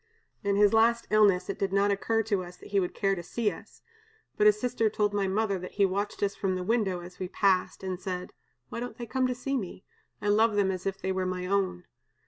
In his last illness it did not occur to us that he would care to see us, but his sister told my mother that he watched us from the window as we passed, and said: 'Why don't they come to see me? I love them as if they were my own.'